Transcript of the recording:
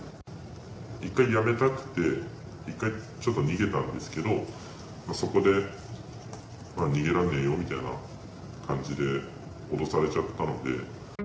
１回やめたくて、一回ちょっと逃げたんですけど、そこでまあ、逃げらんねぇよみたいな感じで、脅されちゃったので。